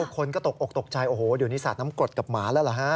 คนก็ตกอกตกใจโอ้โหเดี๋ยวนี้สาดน้ำกรดกับหมาแล้วเหรอฮะ